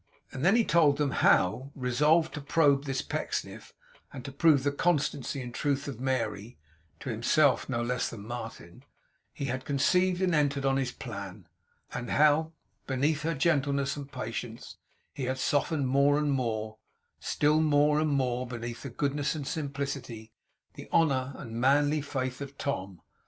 And then he told them how, resolved to probe this Pecksniff, and to prove the constancy and truth of Mary (to himself no less than Martin), he had conceived and entered on his plan; and how, beneath her gentleness and patience, he had softened more and more; still more and more beneath the goodness and simplicity, the honour and the manly faith of Tom.